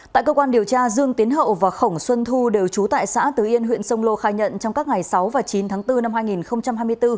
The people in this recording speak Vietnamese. tại cơ quan điều tra dương tiến hậu và khổng xuân thu đều trú tại xã tứ yên huyện sông lô khai nhận trong các ngày sáu và chín tháng bốn năm hai nghìn hai mươi bốn